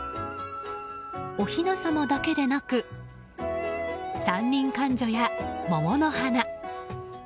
おひな様だけでなく三人官女や桃の花